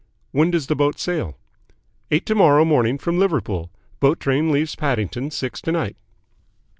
"When does the boat sail?" "Eight to morrow morning from Liverpool. Boat train leaves Paddington six to night."